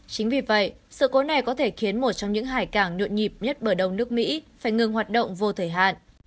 chính vì vậy sự cố này có thể khiến một trong những hải cảng nượn nhịp nhất bờ đông nước mỹ phải ngừng hoạt động vô thể hạn